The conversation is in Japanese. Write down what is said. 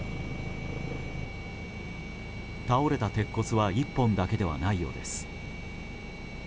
倒れた鉄骨は１本だけではないようです。